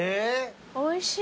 おいしい。